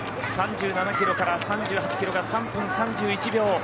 ３７キロから３８キロが３分３１秒。